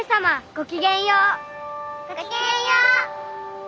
ごきげんよう。